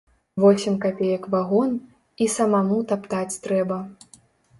Восем капеек вагон, і самаму таптаць трэба.